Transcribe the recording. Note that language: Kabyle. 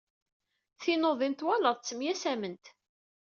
Tinuḍin twalaḍ, ttemyasament.